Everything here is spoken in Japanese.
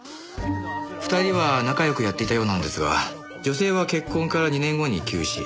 ２人は仲良くやっていたようなんですが女性は結婚から２年後に急死。